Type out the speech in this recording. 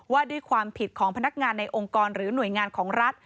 ว่าด้วยความผิดของพนักงานในองค์กรหรือหน่วยงานของรัฐ